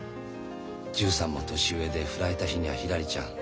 １３も年上で振られた日にゃひらりちゃん